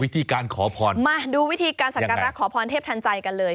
วิธีการขอพรยังไงมาดูวิธีการศักรรยากขอพรเทพทันใจกันเลย